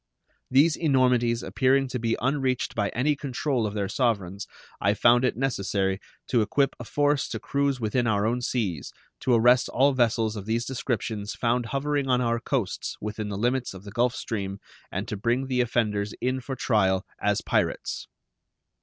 These enormities appearing to be unreached by any control of their sovereigns, I found it necessary to equip a force to cruise within our own seas, to arrest all vessels of these descriptions found hovering on our coasts within the limits of the Gulf Stream and to bring the offenders in for trial as pirates.